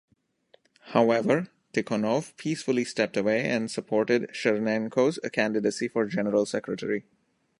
However, Tikhonov peacefully stepped away, and supported Chernenko's candidacy for General Secretary.